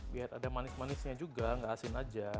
biar ada manis manisnya juga nggak asin aja